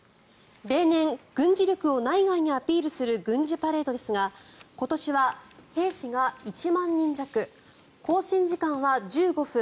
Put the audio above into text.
例年、軍事力を内外にアピールする軍事パレードですが今年は兵士が１万人弱行進時間は１５分